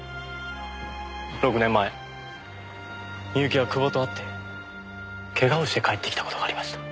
６年前深雪は久保と会ってケガをして帰ってきた事がありました。